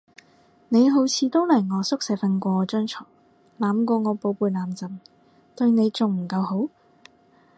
你好似都嚟我宿舍瞓過我張床，攬過我寶貝攬枕，對你仲唔夠好？